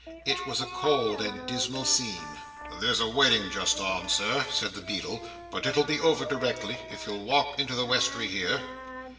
It was a cold and dismal scene. "There's a wedding just on, Sir," said the beadle, "but it'll be over directly, if you'll walk into the westry here."